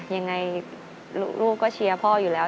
ยังไงลูกก็เชียร์พ่ออยู่แล้ว